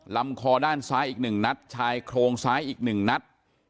ลำคอด้านซ้ายอีก๑นัดชายโครงซ้ายอีก๑นัด